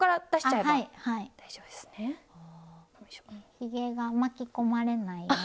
ひげが巻き込まれないように。